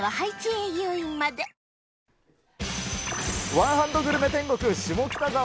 ワンハンドグルメ天国、下北沢。